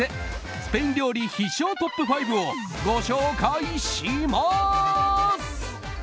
スペイン料理必勝トップ５をご紹介します。